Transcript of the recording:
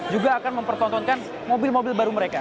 juga akan mempertontonkan mobil mobil baru mereka